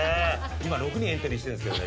今６人エントリーしてるんですけどね。